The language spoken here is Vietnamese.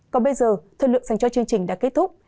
còn bây giờ thời lượng dành cho chương trình đã kết thúc